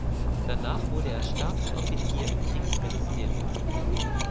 Danach wurde er Stabsoffizier im Kriegsministerium.